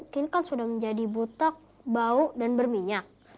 kini kan sudah menjadi butok bau dan berminyak